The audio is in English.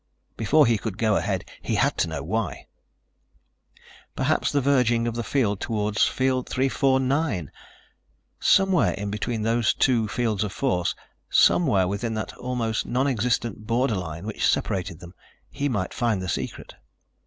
Before he could go ahead, he had to know why. Perhaps the verging of the field toward Field 349? Somewhere in between those two fields of force, somewhere within that almost non existent borderline which separated them, he might find the secret.